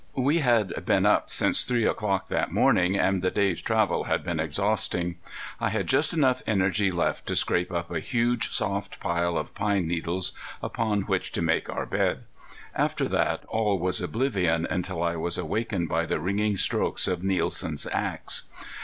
We had been up since three o'clock that morning, and the day's travel had been exhausting. I had just enough energy left to scrape up a huge, soft pile of pine needles upon which to make our bed. After that all was oblivion until I was awakened by the ringing strokes of Nielsen's axe.